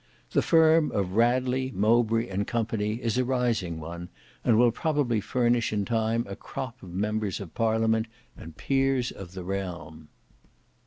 The firm of Radley, Mowbray, and Co., is a rising one; and will probably furnish in time a crop of members of Parliament and Peers of the realm.